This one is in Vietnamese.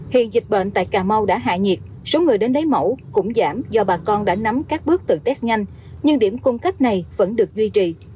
hiện dịch bệnh tại cà mau đã hạ nhiệt số người đến lấy mẫu cũng giảm do bà con đã nắm các bước tự test nhanh nhưng điểm cung cấp này vẫn được duy trì